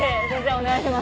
お願いします。